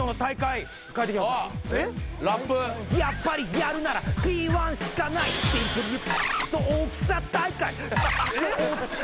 「やっぱりやるならＰ−１しかない」「シンプルにの大きさ大会の大きさ比べる大会」